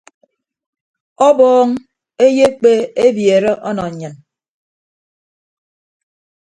Ọbọñ eyekpe ebiere ọnọ nnyịn.